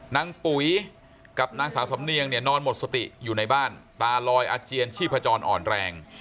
ปุ๋ยกับนางสาวสำเนียงเนี่ยนอนหมดสติอยู่ในบ้านตาลอยอาเจียนชีพจรอ่อนแรง